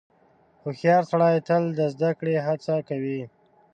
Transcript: • هوښیار سړی تل د زدهکړې هڅه کوي.